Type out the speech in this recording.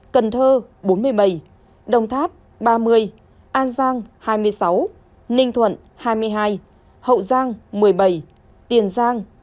cần thơ bốn mươi bảy đồng tháp ba mươi an giang hai mươi sáu ninh thuận hai mươi hai hậu giang một mươi bảy tiền giang